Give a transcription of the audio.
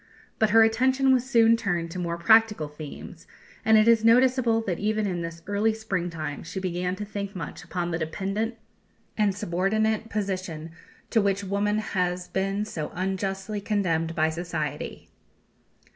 But her attention was soon turned to more practical themes, and it is noticeable that even in this early springtime she began to think much upon the dependent and subordinate position to which woman has been so unjustly condemned by society.